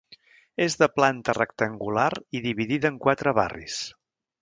És de planta rectangular i dividida en quatre barris.